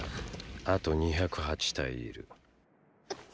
あと２０８体いる。